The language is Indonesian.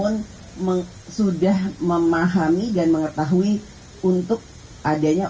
pun sudah memahami dan mengetahui untuk adanya